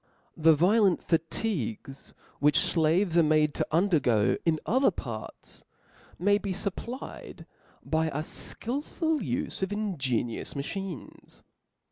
The vio lent fatigues which flaves are made to undergo in other parts, may be fupplied by a ikilful ufe of ingenious machines.